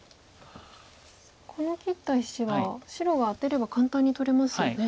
この切った石は白がアテれば簡単に取れますよね。